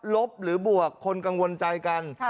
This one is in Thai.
ลบหรือบวกคนกังวลใจกัน